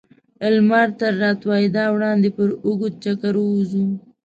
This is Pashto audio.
لمر تر راتودېدا وړاندې پر اوږد چکر ووځو.